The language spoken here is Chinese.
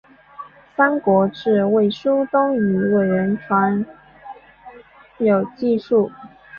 三国志魏书东夷倭人传有记述。